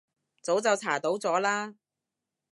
早就查到咗啦